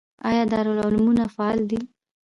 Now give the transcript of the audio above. آیا دارالعلومونه فعال دي؟